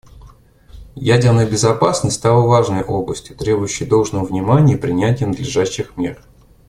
Ядерная безопасность стала важной областью, требующей должного внимания и принятия надлежащих мер.